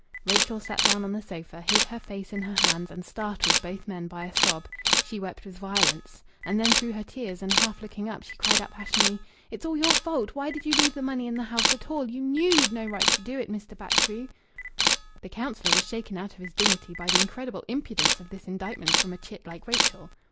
Rachel sat down on the sofa, hid her face in her hands, and startled both men by a sob. She wept with violence. And then through her tears, and half looking up, she cried out passionately: "It's all your fault. Why did you leave the money in the house at all? You know you'd no right to do it, Mr. Batchgrew!" The councillor was shaken out of his dignity by the incredible impudence of this indictment from a chit like Rachel.